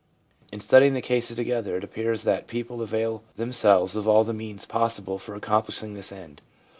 In studying the cases together it appears that people avail themselves of all the means ADOLESCENCE— ALIENATION 249 possible for accomplishing this end.